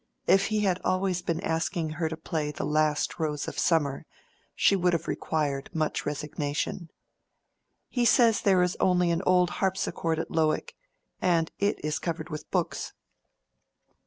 If he had always been asking her to play the "Last Rose of Summer," she would have required much resignation. "He says there is only an old harpsichord at Lowick, and it is covered with books."